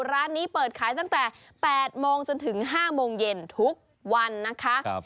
ร้านนี้เปิดขายตั้งแต่๘โมงจนถึง๕โมงเย็นทุกวันนะคะ